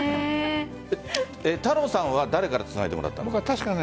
太郎さんは誰からつないでもらったの？